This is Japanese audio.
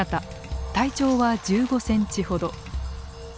体長は１５センチほど。